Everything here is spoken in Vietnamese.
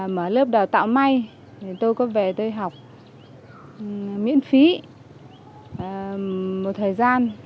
mở lớp đào tạo may tôi có về tôi học miễn phí một thời gian